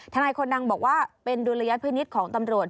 นายคนดังบอกว่าเป็นดุลยพินิษฐ์ของตำรวจ